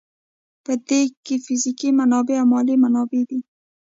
په دې کې فزیکي منابع او مالي منابع دي.